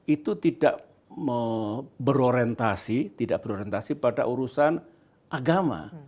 itu tidak berorientasi pada urusan agama